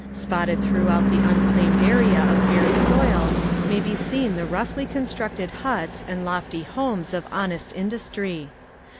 Spotted throughout the unclaimed area of bared soil may be seen the roughly constructed huts and lofty homes of honest industry.